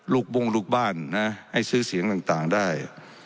บุ้งลูกบ้านนะให้ซื้อเสียงต่างได้